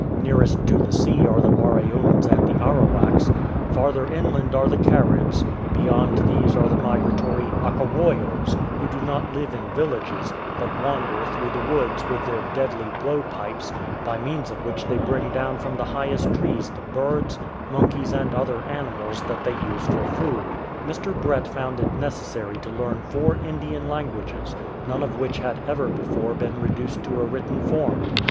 Nearest to the sea are the Waraoons and the Arawaks, farther inland are the Caribs, beyond these are the migratory Acawoios, who do not live in villages, but wander through the woods with their deadly blow pipes, by means of which they bring do^vn from the highest trees the birds, monkeys, and other animals that they use for food. Mr. Brett found it necessary to learn four Indian languages, none of which had ever before been reduced to a written form.